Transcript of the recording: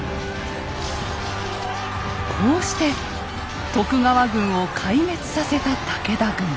こうして徳川軍を壊滅させた武田軍。